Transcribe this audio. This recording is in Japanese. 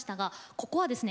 ここはですね